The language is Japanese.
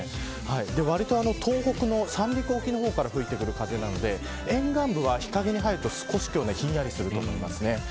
わりと東北の三陸沖の方から吹いてくる風なので沿岸部は日陰に入ると少し今日はひんやりすると思います。